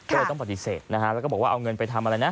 ก็เลยต้องปฏิเสธนะฮะแล้วก็บอกว่าเอาเงินไปทำอะไรนะ